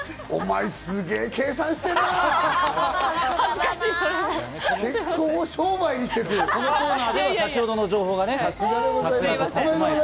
お前、すげぇ計算してんな！